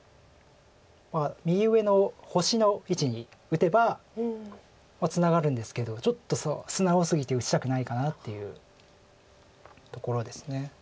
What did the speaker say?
まあ右上の星の位置に打てばツナがるんですけどちょっと素直すぎて打ちたくないかなっていうところです。